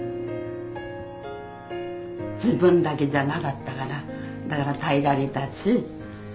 自分だけじゃなかったからだから耐えられたし。